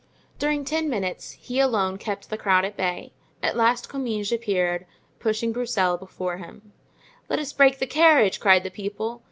During ten minutes he alone kept the crowd at bay; at last Comminges appeared, pushing Broussel before him. "Let us break the carriage!" cried the people.